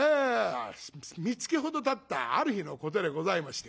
みつきほどたったある日のことでございまして。